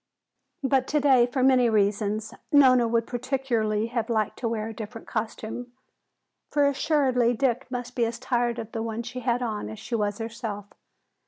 But today, for many reasons, Nona would particularly have liked to wear a different costume. For assuredly Dick must be as tired of the one she had on as she was herself.